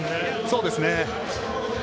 そうですね。